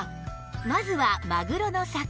まずはマグロのサク